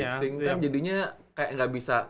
maxing kan jadinya kayak gak bisa